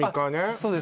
そうです